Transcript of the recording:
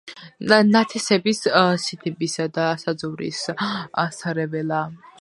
ნათესების, სათიბისა და საძოვრის სარეველაა.